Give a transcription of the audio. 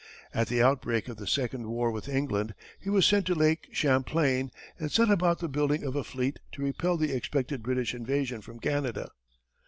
At the outbreak of the second war with England, he was sent to Lake Champlain, and set about the building of a fleet to repel the expected British invasion from Canada.